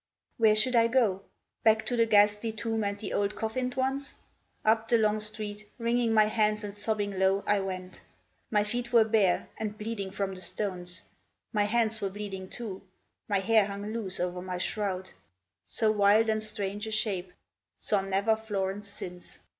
Where should I go? Back to the ghastly tomb And the cold coffined ones? Up the long street, Wringing my hands and sobbing low, I went. My feet were bare and bleeding from the stones; My hands were bleeding too; my hair hung loose Over my shroud. So wild and strange a shape Saw never Florence since.